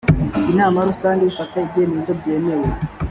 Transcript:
inama rusange ifata ibyemezo byemewe